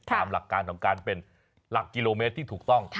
ตามหลักการของการเป็นหลักกิโลเมตรที่ถูกต้อง